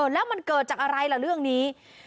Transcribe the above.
แล้วมันเกิดจากอะไรล่ะเรื่องนี้